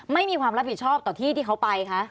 ไม่มีความรับผิดชอบต่อที่ที่เขาไปคะ